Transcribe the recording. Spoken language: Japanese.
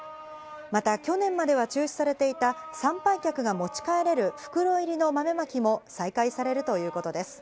また、去年までは中止されていた参拝客が持ち帰れる袋入りの豆まきも再開されるということです。